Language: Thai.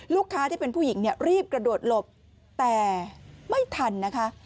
ลูกค้าที่เป็นผู้หญิงรีบกระโดดหลบแต่ไม่ทันนะคะ